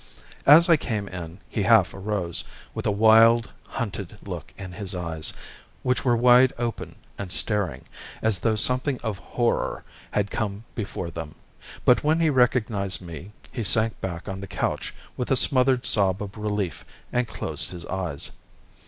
As I came in he half arose, with a wild, hunted look in his eyes, which were wide open and staring, as though something of horror had come before him; but when he recognised me he sank back on the couch with a smothered sob of relief and closed his eyes.